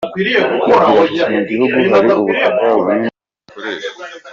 Agira ati “Mu gihugu hari ubutaka bunini budakoreshwa.